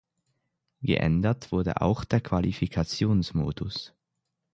Geändert wurde auch der Qualifikationsmodus.